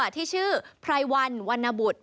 ที่ชื่อพรายวรรณวรรณบุตร